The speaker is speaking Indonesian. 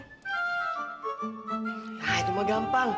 nah itu mah gampang